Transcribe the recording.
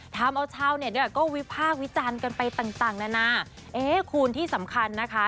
ทำเอาเช่าเนี้ยเนี้ยก็วิภาควิจารณ์กันไปต่างต่างน่ะน่ะเอ๊คูณที่สำคัญนะคะ